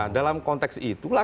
dalam konteks itulah